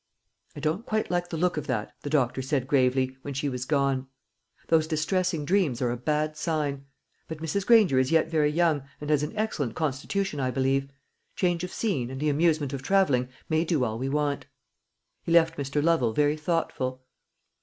"I don't quite like the look of that," the doctor said gravely, when she was gone. "Those distressing dreams are a bad sign. But Mrs. Granger is yet very young, and has an excellent constitution, I believe. Change of scene, and the amusement of travelling, may do all we want." He left Mr. Lovel very thoughtful.